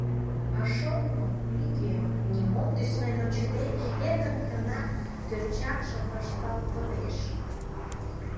А шоҥго, нигӧм, нимом тӱслен ончыде, эркын гына торчакшым вашталтылеш.